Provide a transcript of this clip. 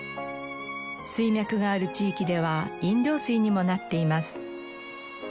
水脈がある地域では飲料水にもなっています。